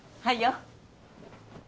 はいよ。